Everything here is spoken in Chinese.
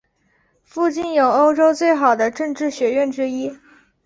附近有欧洲最好的政治学院之一。